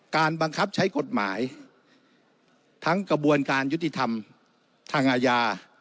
บังคับใช้กฎหมายทั้งกระบวนการยุติธรรมทางอาญา